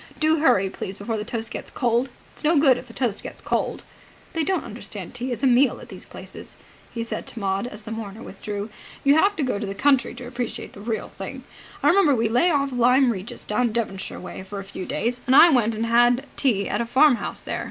Do hurry, please, before the toast gets cold. It's no good if the toast gets cold. They don't understand tea as a meal at these places," he said to Maud, as the mourner withdrew. "You have to go to the country to appreciate the real thing. I remember we lay off Lyme Regis down Devonshire way, for a few days, and I went and had tea at a farmhouse there.